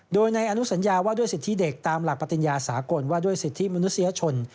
โดยในอนุสัญญาว่าด้วยสิทธิเด็กตามหลักปติญญาสากลว่าด้วยสิทธิมนุษยชน